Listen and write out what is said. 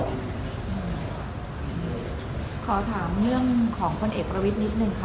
ขอถามเรื่องของพลเอกประวิทย์นิดนึงค่ะ